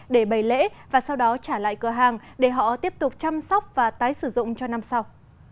để bày lễ và sau đó trả lại cửa hàng để họ tiếp tục chăm sóc và tái sử dụng cho năm sau